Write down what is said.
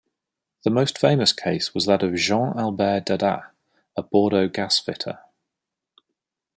The most famous case was that of Jean-Albert Dadas, a Bordeaux gas-fitter.